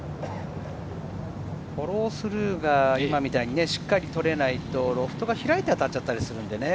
フォロースルーが今みたいにしっかり取れないと、開いて当たったりするんでね。